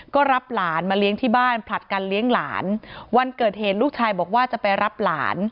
ก็รับหลานมาเลี้ยงที่บ้านผลัดกันเลี้ยงหลานวันเกิดเหตุลูกชายบอกว่าจะไปรับหลาน